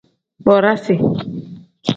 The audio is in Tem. Bodasi.